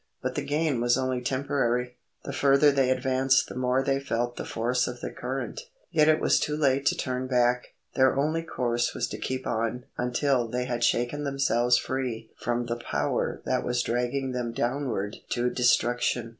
But the gain was only temporary. The further they advanced the more they felt the force of the current. Yet it was too late to turn back. Their only course was to keep on until they had shaken themselves free from the power that was dragging them downward to destruction.